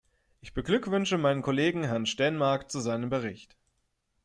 Ich beglückwünsche meinen Kollegen, Herrn Stenmarck, zu seinem Bericht.